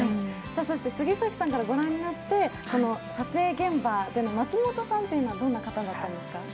杉咲さんから御覧になって撮影現場での松本さんってどんな方だったんですか。